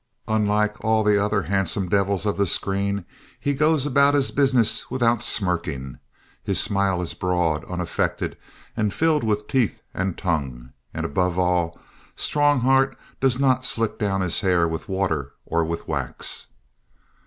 Unlike all the other handsome devils of the screen, he goes about his business without smirking. His smile is broad, unaffected and filled with teeth and tongue. And above all, Strongheart does not slick down his hair with water or with wax.